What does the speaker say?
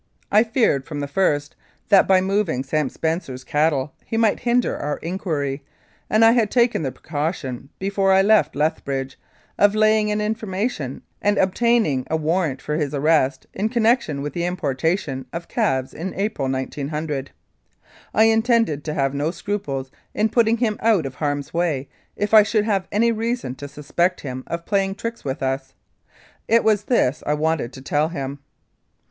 I feared from the first that by moving Sam Spencer's cattle he might hinder our inquiry, and I had taken the precaution, before I left Lethbridge, of laying an information and obtaining a warrant for his arrest in connection with the importation of calves in April, 1900. I intended to have no scruples in putting him out of harm's way if I should have any reason to suspect him of playing tricks with us. It was this I wanted to tell him.